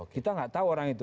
kita nggak tahu orang itu